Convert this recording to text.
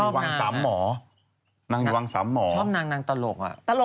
เพราะว่าคุณปัญญาก็มาคุยกับพี่ตุ๊กกี้ว่าเราอยากให้โอกาสลองเด็กใหม่มามีบทบาท